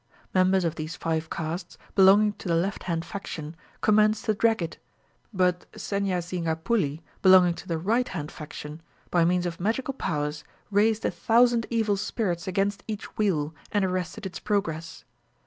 Members of these five castes, belonging to the left hand faction, commenced to drag it, but Seniyasingapuli, belonging to the right hand faction, by means of magical powers, raised a thousand evil spirits against each wheel, and arrested its progress.